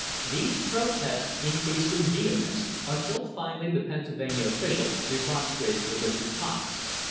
"* These protests increased in vehemence, until finally the Pennsylvania officials remonstrated with Mr. Potts.